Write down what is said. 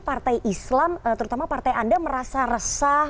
partai islam terutama partai anda merasa resah